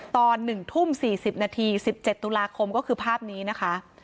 ตอน๑ทุ่ม๔๐นาที๑๗ตุลาคมก็คือภาพนี้นะคะ